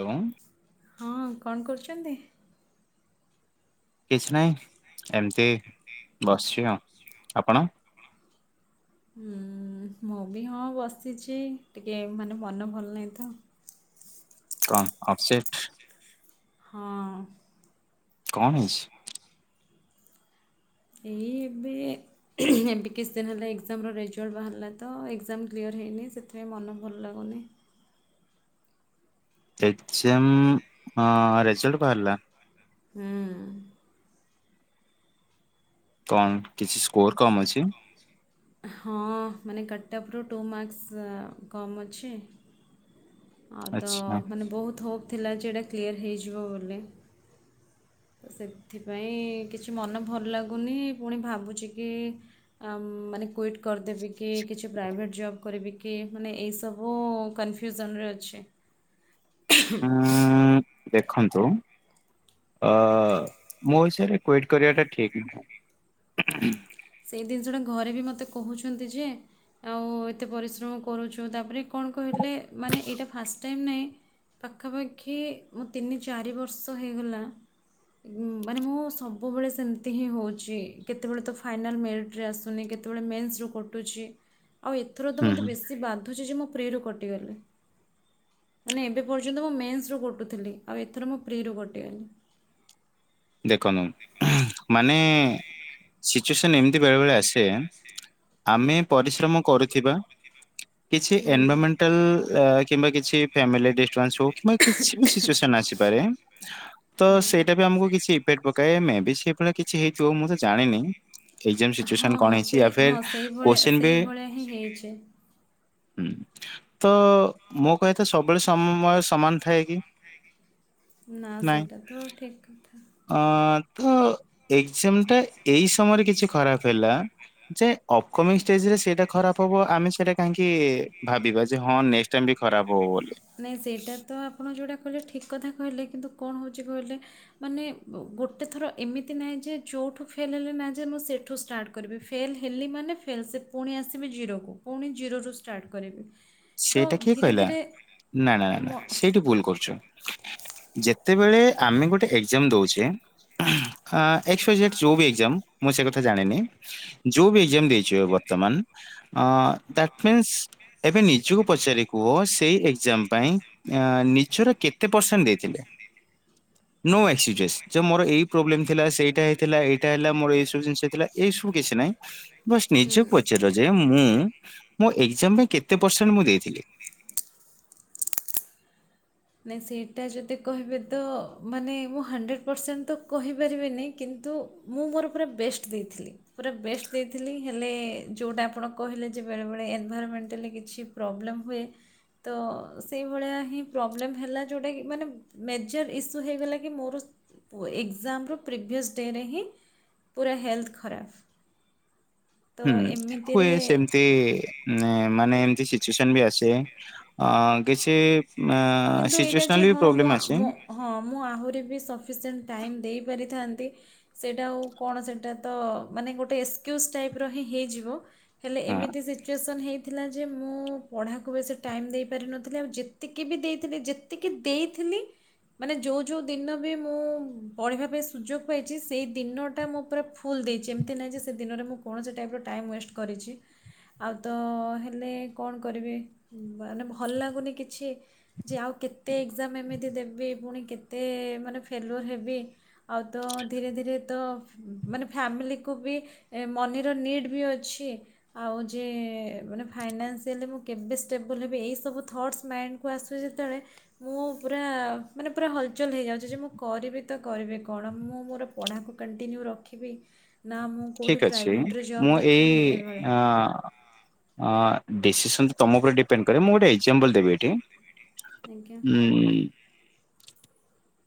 ଏବଂ। ହଁ କଣ କରୁଛନ୍ତି? କିଛି ନାହିଁ ଏମିତି ବସିଛି ଆଉ। ଆପଣ? ଉଁ ମୁଁ ବି ହଁ ବସିଛି। ଟିକେ ମାନେ ମନ ଭଲ ନାହିଁ ତ? କଣ ଅପସେଟ୍? ହଁ। କଣ ହେଇଛି? ଏଇ ଏବେ ଏବେ କିଛି ଦିନ ହେଲା ଏକ୍ଜାମର ରେଜଲ୍ଟ ବାହାରିଲା ତ ଏକ୍ଜାମ କ୍ଲିୟର୍ ହେଇନି ସେଥିପାଇଁ ମନ ଭଲ ଲାଗୁନି। ଏକଜାମ ଅଁ ରେଜଲ୍ଟ ବାହାରିଲା? ହୁଁ। କଣ କିଛି ସ୍କୋର କମ ଅଛି? ହଁ ମାନେ କଟଅଫରୁ ଟୁ ମାର୍କ୍ସ୍ କମ୍ ଅଛି ଆଉ ତ ଆଚ୍ଛା ମାନେ ବହୁତ ହୋପ୍ ଥିଲା ଯେ ଏଟା କ୍ଲିୟର ହେଇଯିବ ବୋଲି ତ ସେଥିପାଇଁ କିଛି ମନ ଭଲ ଲାଗୁନି ପୁଣି ଭାବୁଛି କି ମାନେ କୁଇଟ୍ କରିଦେବି କି କିଛି ପ୍ରାଇଭେଟ୍ ଜବ୍ କରିବ କି ମାନେ ଏଇ ସବୁ କନଫ୍ୟୁଜନରେ ଅଛି। ଉଁ ଦେଖନ୍ତୁ ଅ ମୋ ହିସାବରେ କୁଇଟ୍ କରିବାଟା ଠିକ୍ ନୁହେଁ। ସେଇ ଦିନିଷଟା ଘରେ ବି ମୋତେ କହୁଛନ୍ତି ଯେ ଆଉ ଏତେ ପରିଶ୍ରମ କରୁଛୁ, ତାପରେ କଣ କହିଲେ ମାନେ ଏଇଟା ଫାଷ୍ଟ ଟାଇମ୍ ନାଇଁ ପାଖାପାଖି ମୁଁ ତିନି ଚାରି ବର୍ଷ ହେଇଗଲା ଉଁ, ମାନେ ମୁଁ ସବୁବେଳେ ସେମିତି ହିଁ ହଉଛି, କେତେବେଳେ ତ ଫାଇନାଲ୍ ମେରିଟ୍ରେ ଆସୁନି, କେତେବେଳେ ମେନ୍ସରୁ କଟୁଛି, ଆଉ ଏ ଏଥର ତ ହୁଁ ମୋତେ ହୁଁ ବେଶୀ ବାଧୁଛି ଯେ ମୁଁ ପ୍ରିରୁ କଟିଗଲି। ମାନେ ଏବେ ପର୍ଯ୍ୟନ୍ତ ମୁଁ ମେନ୍ସରୁ କଟୁଥିଲି, ଆଉ ଏଥର ମୁଁ ପ୍ରିରୁ କଟିଗଲି। ଦେଖନ୍ତୁ ମାନେ ସିଚୁଏସନ୍ ଏମତି ବେଳେବେଳେ ଆସେ ଆମେ ପରିଶ୍ରମ କରୁଥିବା, କିଛି ହୁଁ ଏନଭରମେଣ୍ଟାଲ କିମ୍ବା କିଛି ଫ୍ୟାମିଲି ଡିଷ୍ଟରବାନ୍ସ ହଉ କିମ୍ବା କିଛି ବି ସିଚୁଏସନ ଆସିପାରେ ତ ସେଇଟା ବି ଆମକୁ କିଛି ଇଫେକ୍ଟ ପକାଏ, ମେ ବି ସେ ଏକ୍ଜାମ ହଁ ସିଚୁଏସନ କଣ ହଁ ହେଇଛି ସେ ୟା ଫିର୍ ହଁ ସେଇଭଳିଆ କୋଶ୍ଚିନ୍ ବି ସେଇଭଳିଆ ହିଁ ହେଇଛି। ଏ ହୁଁ ତ ମୋ କହିଆ କଥା ସବୁବେଳେ ସମ-ମ-ସମୟ ସମାନ ଥାଏ କି? ନା ସେଇଟା ତ ଠିକ କଥା। ହଁ ତ ଏକ୍ଜାମଟା ଏଇ ସମୟରେ କିଛି ଖରାପ ହେଲା, ଯେ ଅପକମିଂ ଯେ ସେ ସେଇଟା ଖରାପ ହବ ଆମେ ସେଟା କାହିଁକି ଭାବିବା ଯେ ହଁ ନେକ୍ସଟ୍ ଟାଇମ୍ ବି ଖରାପ ହବ ବୋଲି। ନାଇ ସେଇଟା ତ ଆପଣ ଯୋଉଟା କହିଲେ ଠିକ୍ କଥା କହିଲେ କିନ୍ତୁ କଣ ହଉଚି କହିଲେ ମାନେ ଗୋଟେ ଥର ଏମିତି ନାହିଁ ଯେ ଯେଉଠୁ ଫେଲ୍ ହେଲେ ନା ଯା ମୁଁ ସେଇଠୁ ଷ୍ଟାର୍ଟ କରିବି ଫେଲ୍ ହେଲି ମାନେ ଫେଲ୍ ସେ ପୁଣି ଆସିବେ ଜିରୋକୁ। ପୁଣି ଜିରୋରୁ ଷ୍ଟାର୍ଟ କରିବି ତ ସେଇଟା କିଏ ଧୀରେ କହିଲା ଧୀରେ ନା ନା ନା ନା ମୋ ସେଇଠୁ ଭୁଲ କରୁଛ ଯେତେବେଳେ ଆମେ ଗୋଟେ ଏକ୍ଜାମ ଦଉଛେ ଏକସ ୱାଇ ହେଡ ଯୋଉ ବି ଏଜାମ ମୁଁ ସେ କଥା ଜାଣିନି ଯୋଉ ବି ଏକ୍ସାମ ଦେଇଛ ବର୍ତ୍ତମାନ ଦ ମିନ୍ସ ଏବେ ନି ନିଯକୁ ପଚାରି କୁହ ସେଇ ଏକ୍ଜାମ ପାଇଁ ନିଜର କେତେ ପରସେଣ୍ଟ ଦେଇଥିଲେ? ନ ମୋର ଏଇ ପ୍ରୋବ୍ଲେମ ଥିଲା ସେଇଟା ହେଇଥିଲା ଏଇଟା ହେଲା ମୋର ଏଇ ସବୁ ଜିନିଷଇଥିଲା ଏଇ ସବୁ କିଛି ନାହିଁ। ବସ୍ ନିଜକୁ ପଚାର ଯେ ମୁଁ ମୋ ଏକ୍ଜାମ ପାଇଁ କେତେ ପରସେଣ୍ଟ ମୁଁ ଦେଇଥିଲି। ନ ସେଇଟା ଯଦି କହିବେ ତ ମାନେ ମୁଁ ହଣ୍ଡ୍ରେଡ଼୍ ପରସେଣ୍ଟ ତ କହିପାରିବିନି କିନ୍ତୁ ମୁଁ ମୋର ପୁରା ବେଷ୍ଟ ଦେଇଥିଲି। ପୁରା ବେଷ୍ଟ ଦେଇଥିଲି ହେଲେ ଯେଉଁଟା ଆପଣ କହିଲେ ଯେ ବେଳେବେଳେ ଏନଭାଇରମେଣ୍ଟାଲି କିଛି ପ୍ରୋବ୍ଲେମ୍ ହୁଏ ତ ସେଇଭଳିଆ ହିଁ ପ୍ରୋବ୍ଲେମ୍ ହେଲା ଯେଉଁଟାକି ମାନେ ମେଜର୍ ଇସ୍ୟୁ ହେଇଗଲା କି ମୋର ଏକ୍ଜାମ୍ର ପ୍ରିଭିଅସ୍ ଡେରେ ହିଁ ପୁରା ହେଲ୍ଥ ଖରାପ। ତ ହୁଁ ହୁଏ ଏମିତିରେ ସେମିତି। ମାନେ ଏମିତି ସିଚୁଏସନ ବି ଆସେ ଅ କିଛି ଆ କିନ୍ତୁ ଏଇଟା ଯେ ସିଚୁଏସନଲ ବି ହଁ ମୁଁ ଆ- ପ୍ରୋବ୍ଲେମ ଆଛି ମୁଁ ହଁ ମୁଁ ଆହୁରି ବି ସଫିସିଏଣ୍ଟ ଟାଇମ୍ ଦେଇପାରିଥାନ୍ତି ସେଇଟା ଆଉ କଣ ସେଇଟା ତ ମାନେ ଗୋଟେ ଏକ୍ସକ୍ୟୁଜ ଟାଇପ ର ହିଁ ହେଇଯିବ। ହେଲେ ହଁ ଏମିତି ସିଚୁଏସନ୍ ହେଇ ଥିଲା ଯେ ମୁଁ ପଢ଼ାକୁ ବେଶ ଟାଇମ ଦେଇପାରିନଥିଲି ଆଉ ଯେତିକି ବି ଦେଇ ଯେତିକି ଦେଇଥିଲି ମାନେ ଯେଉଁ ଯେଉଁ ଦିନ ବି ମୁଁ ପଢ଼ିବା ପାଇଁ ସୁଯୋଗ ପାଇଛି ସେଇ ଦିନଟା ମୁଁ ପୁରା ଫୁଲ୍ ଦେଇଛି ଏମିତି ନାହିଁ ଯେ ସେ ଦିନରେ ମୁଁ କୌଣସି ଟାଇପ୍ର ଟାଇମ୍ ୱେଷ୍ଟ କରିଛି। ଆଉ ତ ହେଲେ କଣ କରିବି ମାନେ ଭଲ ଲାଗୁନି କିଛି ଯେ ଆଉ କେତେ ଏକ୍ଜାମ ଏମିତି ଦେବି ପୁଣି କେତେ ମାନେ ଫେଲର ହେବି। ଆଉ ତ ଧୀରେ ଧୀରେ ତ ମାନେ ଫ୍ୟାମିଲିକୁୁ ବି ଏ ମନିର ନିଡ଼୍ ବି ଅଛି। ଆଉ ଯେ ମାନେ ଫାଇନାନ୍ସିଆଲି ମୁଁ କେବେ ଷ୍ଟେବଲ ହେବି ଏଇ ସବୁ ଥଟ୍ସ ମାଇଣ୍ଡକୁ ଆସ ତୁ ଯେତେବେଳେ ମୁଁ ପୁରା ମାନେ ପୁରା ହଲଚଲ ହେଇଯାଉଛି ଯେ ମୁଁ କରିବି ତ କରିବି କଣ ମୁଁ ମୋର ପଢ଼ାକୁ କଣ୍ଟିନ୍ୟୁ ରଖିବି ନା ମୁଁ କେଉଁଠି ଠିକ ଅଛି ପ୍ରାଇଭେଟ୍ରେ ଜବ୍ ମୁଁ ଏଇ ଦେଖିବି ଏଭଳିଆ ଅ ଆଁ ଡିସିସନ ତ ତମ ଉପରେ ଡିପେଣ୍ଡ କରେ ମୁଁ ଗୋଟେ ଏକ୍ଜାମ୍ପଲ ଦେବି ଏଠି ଆଜ୍ଞା ହ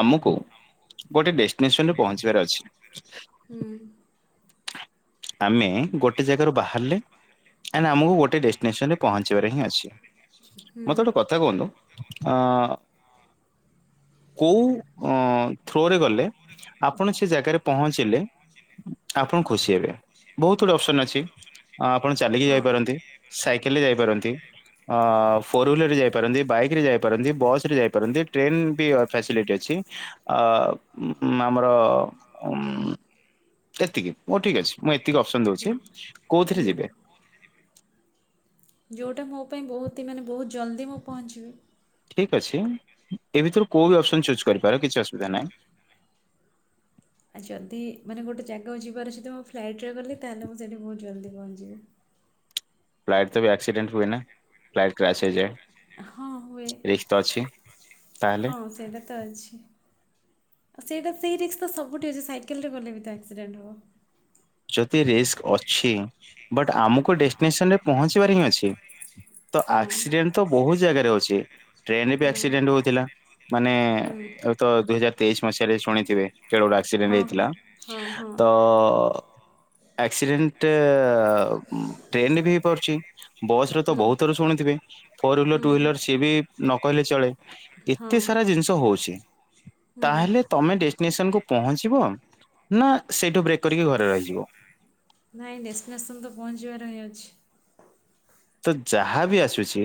ଆମ କୁ ଗୋଟେ ଡେଷ୍ଟିନେସନରେ ପହଞ୍ଚିବାର ଅଛି। ହୁଁ ଆମେ ଗୋଟେ ଜାଗାରୁ ବାହାରିଲେ ଆଣ୍ଡ ଆମକୁ ଗୋଟେ ଡେଷ୍ଟିନେସନ ରେ ପହଞ୍ଚିବାରେ ହିଁ ଅଛି। ହୁଁ ମତେ ଗୋଟେ କଥା କୁହନ୍ତୁ ଅ- କଉ ଅଁ- ଥ୍ରୋ ରେ ଗଲେ [inaudible] ଆପଣ ସେ ଜାଗାରେ ପହଞ୍ଚିଲେ ଆପଣ ଖୁସି ହେବେ ବହୁତ୍ ଗୁଡେ ଅପ୍ସନ୍ ଅଛି ଛି ଆପଣ ଚାଲିକି ହଁ। ଯାଇପାରନ୍ତି ସାଇକେଲରେ ଯାଇପାରନ୍ତି ଅ- ଫୋର୍ ହୁଲେର୍ ରେ ଯାଇପାରନ୍ତି ବାଇକ୍ ରେ ଯାଇପାରନ୍ତି ବସ୍ ରେ ଯାଇପାରନ୍ତି ଟ୍ରେନ୍ ବି ଫେସିଲିଟି ଅଛି ଅ- ଆମର ଉମ୍- ଏତିକି ଓ ଠିକ୍ ଅଛି। ମୁଁ ଏତିକି ଅପ୍ସନ୍ ଦଉଚି କଉଥିରେ ହୁଁ ଯିବେ? ଯଉଟା ମୋ ପାଇଁ ବହୁତି ହି ମାନେ ବହୁତ୍ ଜଲ୍ଦି ମୁଁ ପହଞ୍ଚିବି ଠିକ୍ ଅଛି ଏଇ ଭିତରୁ କଉ ବି ଅପ୍ସନ୍ ଚୁଜ୍ କରିପାର କିଛି ଅସୁବିଧା ନାହିଁ। ଆଉ ଯଦି ମାନେ ଗୋଟେ ଜାଗାକୁ ଯିବାର ଅଛି ତ ମୁଁ ଫ୍ଲାଇଟ୍ ରେ ଗଲି ତାହେଲେ ମୁଁ ସେଇଠି ବହୁତ ଜଲ୍ଦି ପହଞ୍ଚିବି। ଫ୍ଲାଇଟ୍ ରେ ବି ଆକ୍ସିଡେଣ୍ଟ୍ ହୁଏ ନା ଫ୍ଲାଇଟ୍ କ୍ରାସ୍ ହେଇଯାଏ। ହଁ ହୁଏ। ରିସ୍କ୍ ଅଛି। ତାହେଲେ ହଁ ସେଇଟା ତ ଅଛି। ସେଇଟା ସେଇ ରିକ୍ସ୍ ତ ସବୁଠି ଅଛି ସାଇକେଲ୍ ରେ ଗଲେ ବି ତ ଆକ୍ସିଡେଣ୍ଟ୍ ହବ। ଯଦି ରିସ୍କ୍ ଅଛି ବଟ୍ ଆମକୁ ଡେଷ୍ଟିନେସନ୍ ରେ ପହଞ୍ଚିବାର ହିଁ ଅଛି। ତ ହଁ ଆକ୍ସିଡେଣ୍ଟ୍ ତ ବହୁତ ଜାଗାରେ ଅଛି ଟ୍ରେନ୍ ରେ ବି ହଁ ଆକ୍ସିଡେଣ୍ଟ୍ ହଉଥିଲା ମାନେ ହୁଁ ଅ- ତ ଦୁଇ ହଜାର ତେଇଶି ମସିହାରେ ଶୁଣିଥିବେ କେଡେ ବଡ ଆକ୍ସିଡେଣ୍ଟ୍ ହଁ ହେଇଥିଲା। ହଁ -ହଁ। ଆକ୍ସିଡେଣ୍ଟ୍ ଟ୍ରେନ୍ ରେ ବି ହେଇ ପାରୁଚି। ବସ୍ ରେ ତ ହୁଁ ବହୁତଥର ଶୁଣିଥିବେ। ଫୋର୍ ହୁଲର ଟୁ ହୁଁ ହୁଲର ସିଏ ବି ନ କହିଲେ ଚଳେ ହଁ ଏତେ ସାରା ଜିନିଷ ହଉଚି। ହୁଁ। ତମେ ଡେଷ୍ଟିନେସନ୍ କୁ ପହଞ୍ଚିବ ନା ସେଇଠୁ ବ୍ରେକ୍ କରିକି ଘରେ ରହିଯି ନାଇଁ ଡେଷ୍ଟିନେସନ୍ ରେ ତ ପହଞ୍ଚିବାର ଅଛି। ତ ଯାହା ବି ଆସୁଚି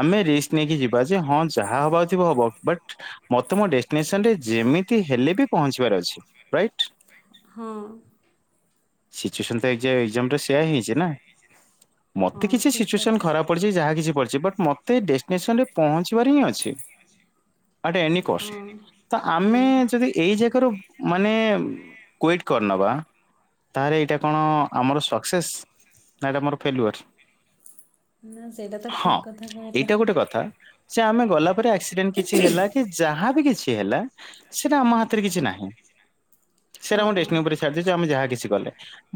ଆମେ ରିସ୍କ୍ ନେଇକି ଯିବା ଯେ ହଁ ଯାହା ହବାର ଥିବ ହବ ବଟ୍ ମତେ ମୋ ଡେଷ୍ଟିନେସନ୍ ରେ ଯେମିତି ହେଲେ ବି ପହଞ୍ଚିବାର ଅଛି। ରାଇଟ୍। ହଁ। ସିଚୁଏସନ୍ ତ ଏକ୍ଜା-ଏକ୍ଜାମ୍ ରେ ସେୟା ହେଇଚି ନା ମତେ ହଁ କିଛି ଠିକ୍ ସିଚୁଏସନ୍ କଥା ଖରାପ୍ ପଡିଚି ଯାହା କିଛି ପଡିଚି ବଟ୍ ମତ୍ ମତେ ଏଇ ଡେଷ୍ଟିନେସନ୍ ରେ ପହଞ୍ଚିବାର ହିଁ ଅଛି। ଆଟ୍‌ ଏନି ହଁ କଷ୍ଟ୍ ତ ହୁଁ ଆମେ ଯଦି ଏଇ ଜାଗାରୁ ମାନେ କୁଇଟ୍ କରିନବା ତାହେଲେ ଏଇଟା କଣ ଆମର ସକ୍ସେସ୍ ନା ଏଇଟା ଆମର ଫେଲୁଅର୍। ନା ସେଇଟା ତ ଠିକ୍ କଥା [unintelligible] ଏଇଟା ଗୋଟେ କଥା ସେ ଆମେ ଗଲା ପରେ ଆକ୍ସିଡେଣ୍ଟ୍ କିଛି ହେଲା କି ଯାହାବି କିଛି ହେଲା ସେଟା ଆମ ହାତରେ କିଛି ନାହିଁ। ହଁ ସେଇଟାରେ [unintelligible] ଯାହା କିଛି କଲେ।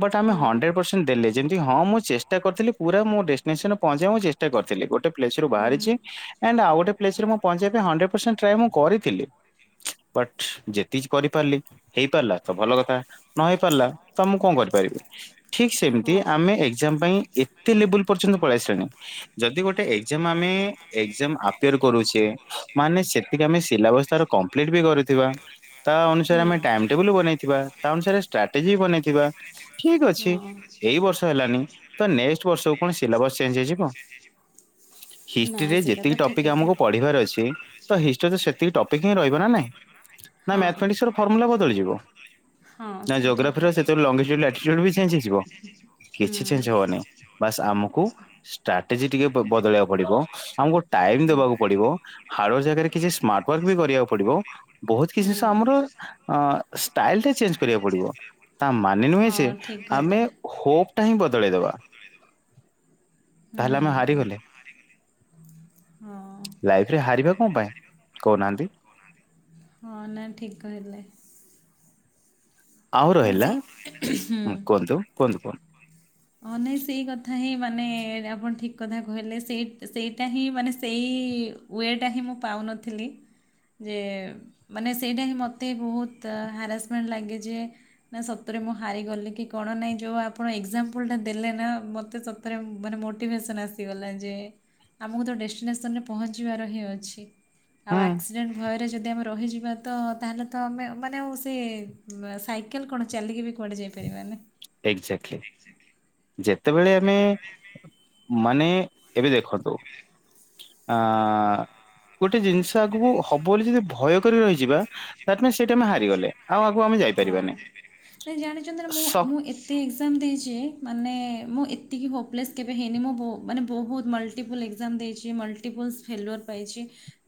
ବଟ୍ ଆମେ ହୁଁ ହଣ୍ଡେଡ୍ ପର୍ ଦେଲେ ଯେମିତି ହଁ ମୁଁ ଚେଷ୍ଟା କରିଥିଲି ପୁରା ମୋ ଡେଷ୍ଟିନେସନ୍ ରେ ପହଞ୍ଚେଇ ମୁଁ ଚେଷ୍ଟା କରିଥିଲି ଗୋଟେ ପ୍ଲେସ୍ ରୁ ହୁଁ ବାହାରିଚି‌ ଆଣ୍ଡ୍ ଆଉ ଗୋଟେ ପ୍ଲେସ୍ ରେ ମୁଁ ପହଞ୍ଚିବା ‌ପାଇଁ ହଣ୍ଡେଡ୍ ପର୍ସେଣ୍ଟ୍ ଟ୍ରାଏ ମୁଁ କରିଥିଲି। ବଟ୍ ଯେତିକି କରିପାରିଲି ହେଇପାରିଲା ତ ଭଲ କଥା। ନ ହେଇପାରିଲା ତ ମୁଁ କଣ କରିପାରିବି ଠିକ୍ ସେମିତି ହଁ। ଆମେ ଏକ୍ଜାମ୍ ପାଇଁ ଏ ବୁଲ୍ ପର୍ଯ୍ୟନ୍ତ ପଳାଇଆସିଲାଣି ଯଦି ଗୋଟେ ଏକ୍ଜାମ୍ ଆମେ ଏକ୍ଜାମ୍ ଆ [unintelligible] କରୁଚେ ମାନେ ସେତିକି ଆମେ ସିଲାବସ୍ ତାର କମ୍ପ୍ଲିଟ୍ ବି କରିଥିବା। ତା ଅନୁସାରେ ଆମେ ଟାଇମ ଟେବୁଲ ବନେଇଥିବା। ତା ଅନୁସାରେ ଷ୍ଟ୍ରାଟେଜି ବନେଇଥିବା ଠିକ୍ ଅଛି ଏଇ ବର୍ଷ ହେଲାନି ତ ନେ ସିଲାବସ ଚେଞ୍ଜ ହେଇ ଯିବ ନା ହିଷ୍ଟରେ ଯେତିକି ଟପିକ୍ ଆମକୁ ପ ରହିବାରେ ଅଛି ତ ହିଷ୍ଟି ସେତିକି ଟପିକ୍ ହିଁ ରହିବ ନା ନାଇଁ। ନା ହଁ ମ୍ୟାଥମେଟିକ୍ସର ଫର୍ମୁଲା ବଦଳିଯିବ। ହଁ ନା ସେ ଠିକ୍ ଜୋଗ୍ରାଫିର ସେତେରୁ ଲଙ୍ଗେଷ୍ଟୁ୍ ଆଟି୍ୟୁଡ଼୍ ବି ଚେଞ୍ଜ ହେଇଯିବ ହୁଁ। କିଛି ଚେଞ୍ଜ ହେବନେହିଁ। ବାସ୍ ଆମକୁ ଷ୍ଟ୍ରାଟେଜି ଟିକେ ବଦଳେଇବାକୁ ପଡିବ ଆମକୁ ଟାଇମ୍ ହୁଁ। ଦବାକୁ ପଡିବ। ହାଡ଼ ୱାର୍କ ଜାଗାରେ କିଛି ସ୍ମାର୍ଟ ୱାର୍କ ବି କରିବାକୁ ପଡିବ। ବହୁତ କିଛି ଜିନିଷ ଆମର ହୁଁ। ଅ ଷ୍ଟାଇଲ ଟା ଚେଞ୍ଜ କରିବାକୁ ପଡିବ। ତା ମାନେ ପଡିବ। ନୁହେଁ ଯେ ହଁ ଠିକ୍ ଆମେ କହିଲେ ହୋପ ଟା ହିଁ ବଦଳେଇଦବା। ତାହେଲେ ଆମେ ହୁଁ। ହାରିଗଲେ। ହଁ ଲାଇଫ ରେ ହାରିବା କଣ ପାଇଁ କହୁନାହାନ୍ତି? ହଁ ନାଇ ଠିକ୍ କହିଲେ। ଆଉ ନା ରହିଲା ସେ ହୁଁ କୁହନ୍ତୁ କୁହନ୍ତୁ କୁହନ୍ତୁ। ହଁ ନାଇଁ ସେଇ କଥା ହିଁ ମାନେ ଆପଣ ଠିକ୍ କଥା କହିଲେ ସେଇ ସେଇଟା ହିଁ ମାନେ ସେଇ ୱେଟା ହିଁ ମୁଁ ପାଉନଥିଲି। ଯେ ମାନେ ସେଇଟା ହିଁ ମୋତେ ବହୁତ ହାରାସମେଣ୍ଟ ଲାଗେ ଯେ। ନା ସତରେ ମୁଁ ହାରିଗଲି କି କଣ ନାହିଁ ଯେଉଁ ଆପଣ ଏକ୍ଜାମ ପ୍ଲେ ଦେଲେ ନା ମତେ ସତରେ ମାନେ ମୋଟିଭେସନ ଆସିଗଲା ଯେ। ଆମକୁ ତ ଡେଷ୍ଟିନେସନରେ ପହଞ୍ଚିବାର ହିଁ ଅଛି ଆଉ ହୁଁ ଆକ୍ସିଡେଣ୍ଟ ଭୟରେ ଯଦି ଆମ ରହିଯିବା ତ ତାହେଲେ ତ ଆମେ ମାନେ ଆଉ ସେ ସାଇକେଲ କଣ ଚାଲିକି ବି କୁଆଡ଼େ ଯାଇପାରିବାନି। ଏକ୍ଜାକ୍ଟଲି ଯେତେବେଳେ ଆମେ ମାନେ ଏବେ ଦେଖନ୍ତୁ ଆ ଗୋଟେ ଜିନିଷ ଆଗକୁ ହବ ବୋଲି ଯଦି ଭୟ କରି ରହିଯିବା। ଦାଟ୍ ମିନ୍ସ ସେଇଠି ଆମେ ହାରିଗଲେ ଆଉ ଆଗକୁ ଆମେ ଯାଇପାରିବାନି [unintelligible] ଜାଣିଛନ୍ତି ମୁଁ ସ ମୁଁ ଏ ତେ ଏକ୍ଜାମ ଦେଇଛି ମାନେ ମୁଁ ଏତିକି ହୋପଲେସ୍ କେବେ ହେଇନି ମୁ ମାନେ ବହୁ ମଲ ମଲ୍ଟିପଲ୍ ଏକ୍ଜାମ ଦେଇଛି ମଲ୍ଟିପଲ୍ସ ଫେଲୁୟର୍ ପାଇଛି।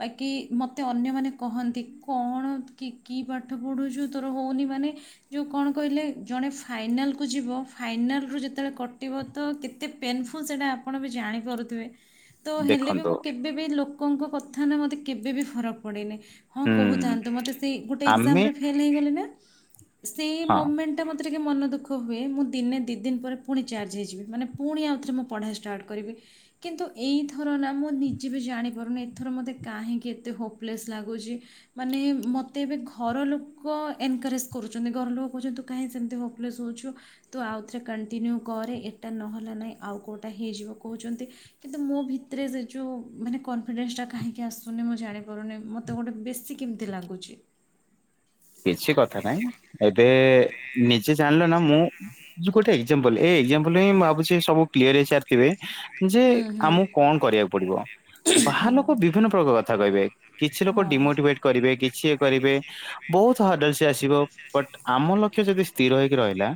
ବାକି ମତେ ଅନ୍ୟମାନୋନେ କହନ୍ତି କଣ କି କି ପାଠ ପଢ଼ୁଛୁ ତୋର ହଉନି ମାନେ ଯୋଉ କଣ କହିଲେ ଜଣେ ଫାଇନାଲକୁ ଯିବ ଫାଇନାଲରୁ ଯେତେବେଳେ କଟିବ ତ କେତେ ପେନ୍ଫୁଲ ସେଇଟା ଆପଣ ବି ଜାଣିପାରୁଥିବେ। ତ ହେଲେ ବି ଦେଖନ୍ତୁ ମୁଁ କେବେ ବି ଲୋକଙ୍କ କଥା ନା ମୋତେ କେବେ ବି ଫରକ ପଡ଼ନି। ହଁ ହୁଁ କହୁଥାନ୍ତୁ ମତେ ସେଇ ଗୋଟେ ଆମେ ଏକ୍ଜାମ ରେ ଫେଲ ହେଇଗଲେ ନା ସେଇ ହଁ ମୁମେଣ୍ଟ ଏଇଟା ମୋତେ ଟିକେ ମନ ଦୁଃଖ ହୁଏ ମୁଁ ଦିନେ ଦୁଇ ଦିନ ପରେ ପୁଣି ଚାର୍ଜ ହେଇଯିବି ମାନେ ପୁଣି ଆଉଥରେ ମୁଁ ପଢ଼ା ଷ୍ଟାର୍ଟ କରିବି। କିନ୍ତୁ ଏଇଥର ନା ମୁଁ ନିଜେ ବି ଜାଣିପାରୁନି ଏଥର ମୋତେ କାହିଁକି ଏତେ ହୋପ୍ଲେସ୍ ଲାଗୁଚି। ମାନେ ମ ତେ ଏବେ ଘର ଲୋକ ଏନକରେଜ୍ କରୁଛନ୍ତି ଘର ଲୋକ କହୁଛନ୍ତି ତୁ କାହିଁ ସେମିତି ହୋପ୍ଲେସ୍ ହେଉଛୁ। ତୁ ଆଉଥରେ କଣ୍ଟିନ୍ୟୁ କରେ ଏଟା ନହେଲା ନାହିଁ ଆଉ କେଉଟା ହେଇଯିବ କହୁଛନ୍ତି। କିନ୍ତୁ ମୋ ଭିତରେ ସେ ଯୋଉ ମାନେ କନଫିଡେନ୍ସଟା କାହିକି ଆସୁନି ମୁଁ ଜାଣିପାରୁନି ମ ତେ ଗୋଟେ ବେଶୀ କେମିତି ଲାଗୁଚି। କିଛି କଥା ନାଇଁ ଏବେ ନିଜେ ଜାଣିଲ ନା ମୁଁ ଯୁକୋଠେ ଏକ୍ସାମ୍ପ୍ଲେ ଏ ଏକ୍ସାମ୍ପ୍ଲେ ହଁ ମୁଁ ଭାବୁଛି ସବୁ କ୍ଲିୟର ହେଇସାରିଥିବେ ଯେ ହୁଁ ହୁଁ। ଆମକୁ କଣ କରିବାକୁ ପଡିବ। ବାହାର ହଁ ଲୋକ ବିଭିନ୍ନ ପ୍ରକାର କଥା କହିବେ କିଛି ଲୋକ ହଁ ଡିମୋଟିଭେଟ କରିବେ କିଛି ଇଏ କରିବେ। ବହୁତ ହାର୍ଡଲ ସେ ଆସିବ ବଟ୍ ଆମ ଲକ୍ଷ୍ୟ ଯଦି ସ୍ଥିର ହେଇକି ରହିଲା।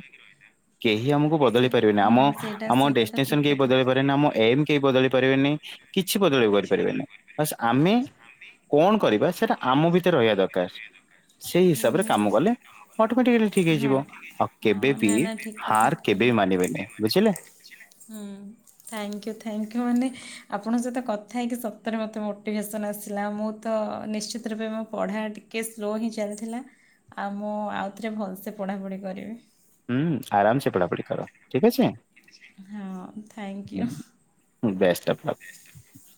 କେହି ଆମକୁ ସେ ବଦଳି ପାରିବେନି ହଁ ଆମ ସେଇଟା ଆମ ସେଇଟା ତ ଠିକ୍ ଡେଷ୍ନେସନ କେହି କଥା। ବଦଳି ପାରିବନି ଆମ। ଏମ୍ କେହି ବଦଳ ପାରିବେନି କିଛି ବଦଳ କରିପାରିବେନି ବାସ୍ ଆମେ। କଣ କରିବା ସେଇଟା ଆମ ଭିତରେ ରହିବା ଦରକାର ସେଇ ହିସାବରେ ହୁଁ କାମ କଲେ। ଅଟୋମେଟିକ ଠିକ ହଁ ହେଇଯିବ ଆଉ କେବେ ହଁ ବି ନା ନା ଠିକ୍ କଥା ହାର କେବେ କହିଲେ। ବି ମାନିବେନି ବୁଝିଲେ? ହୁଁ ଥ୍ୟାଙ୍କ ୟୁ ଥ୍ୟାଙ୍କ ୟୁ ମାନେ ଆପଣଙ୍କ ସହିତ କଥା ହେଇକି ସତରେ ମତେ ମୋଟିଭେସନ ଆସିଲା ମୁଁ ତ ନିଶ୍ଚିତ ରୂପେ ମୋ ପଢ଼ା ଟିକିଏ ସ୍ଲୋ ହିଁ ଚାଲିଥିଲା। ଆଉ ମୁଁ ଆଉଥରେ ଭଲସେ ପଢ଼ାପଢ଼ି କରିବି। ହୁଁ ଆରାମ ସେ ପଢାପଢି କର ଠିକ ଅଛି ହଁ ଥ୍ୟାଙ୍କ ୟୁ। ହ ବେଷ୍ଟ ଅଫ ଲକ୍। ବା।